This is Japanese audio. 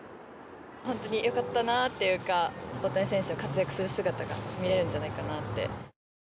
本当によかったなというか大谷選手が活躍する姿が見れるんじゃないかなって。